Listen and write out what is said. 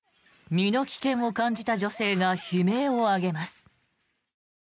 身の危険を感じた女性が悲鳴を上げます。